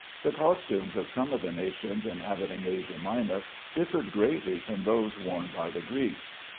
The costumes of some of the nations inhabiting Asia Minor differed greatly from those worn by the Greeks.